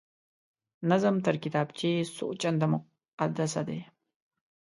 نظم تر کتابچې څو چنده مقدسه دی